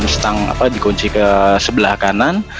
menggunakan mustang dikunci ke sebelah kanan